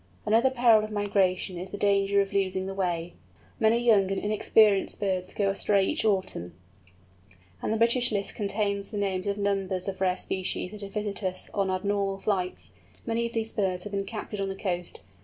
Another peril of migration is the danger of losing the way. Many young and inexperienced birds go astray each autumn, and the British list contains the names of numbers of rare species that have visited us on abnormal flights. Many of these birds have been captured on the coast.